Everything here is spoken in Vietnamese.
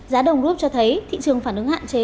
giá đồng rút cho thấy thị trường phản ứng hạn chế